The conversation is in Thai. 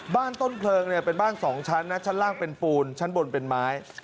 ต้นเพลิงเนี่ยเป็นบ้าน๒ชั้นนะชั้นล่างเป็นปูนชั้นบนเป็นไม้